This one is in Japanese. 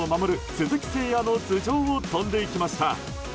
鈴木誠也の頭上を飛んでいきました。